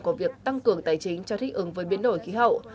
của việc tăng cường tài chính cho thích ứng với biến đổi khí hậu